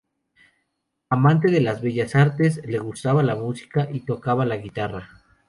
Amante de las Bellas Artes, le gustaba la música y tocaba la guitarra.